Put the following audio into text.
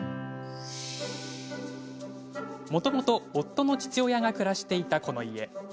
もともと夫の父親が暮らしていたこの家。